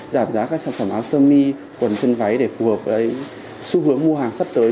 giảm giá các sản phẩm áo sơ mi còn chân váy để phù hợp với xu hướng mua hàng sắp tới